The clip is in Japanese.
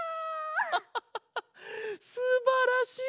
ハハハハすばらしい。